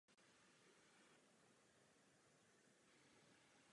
Při tom dochází k rezonanci nosní dutiny.